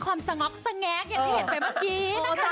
กับเพลงที่มีชื่อว่ากี่รอบก็ได้